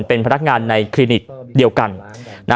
เป็นพนักงานในคลินิกเดียวกัน